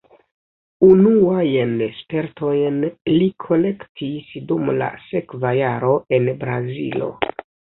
Unuajn spertojn li kolektis dum la sekva jaro en Brazilo.